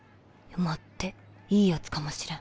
待っていいヤツかもしれん。